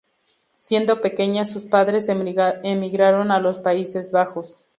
Siendo pequeña sus padres emigraron a los Países Bajos.